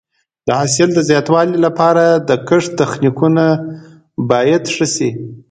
د حاصل د زیاتوالي لپاره د کښت تخنیکونه باید ښه شي.